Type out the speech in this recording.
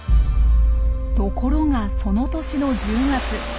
ところがその年の１０月。